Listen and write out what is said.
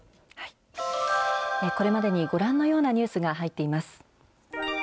これまでに、ご覧のようなニュースが入っています。